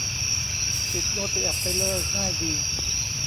ปิดโนติแอปไปเลย ง่ายดี